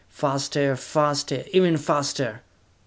Faster! Faster! Even faster!"